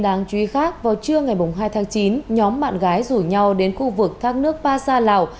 đáng chú ý khác vào trưa ngày hai tháng chín nhóm bạn gái rủ nhau đến khu vực thác nước ba sa lào